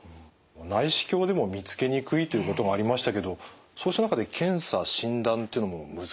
内視鏡でも見つけにくいということがありましたけどそうした中で検査診断っていうのも難しいっていうことになりますか？